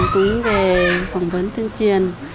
cũng về phỏng vấn thương truyền